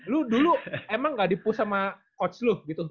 lu dulu emang gak di push sama coach lu gitu